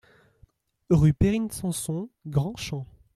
Rue Perrine Samson, Grand-Champ